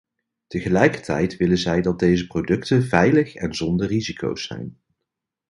Tegelijkertijd willen zij dat deze producten veilig en zonder risico's zijn.